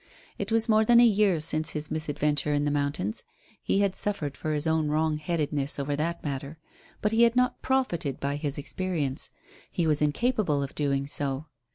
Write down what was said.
It was more than a year since his misadventure in the mountains. He had suffered for his own wrong headedness over that matter, but he had not profited by his experience; he was incapable of doing so.